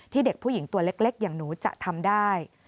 เด็กผู้หญิงตัวเล็กอย่างหนูจะทำได้